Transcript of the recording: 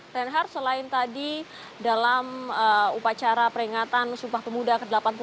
reinhard selain tadi dalam upacara peringatan sumpah pemuda ke delapan puluh delapan